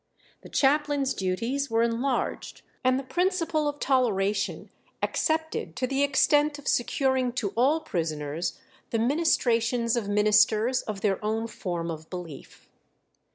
The chaplain's duties were enlarged, and the principle of toleration accepted to the extent of securing to all prisoners the ministrations of ministers of their own form of belief.